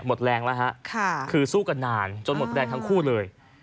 หมดแรงแล้วฮะคือสู้กันนานจนหมดแรงทั้งคู่เลย